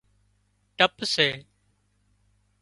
ٽپ سي